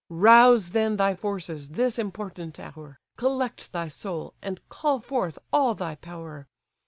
Rouse then thy forces this important hour, Collect thy soul, and call forth all thy power.